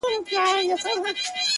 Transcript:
وړونه مي ټول د ژوند پر بام ناست دي،